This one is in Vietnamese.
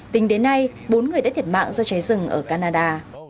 tính đến nay bốn người đã thiệt mạng do cháy rừng ở canada